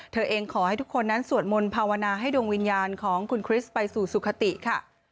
เธอเองขอให้ทุกคนนั้นสวดมนต์ภาวนาให้ดวงวิญญาณของคุณคริสต์ไปสู่สุขติค่ะ